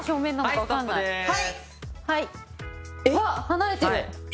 離れてる！